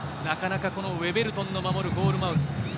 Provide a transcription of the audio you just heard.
なかなかウェベルトンの守るゴールマウス。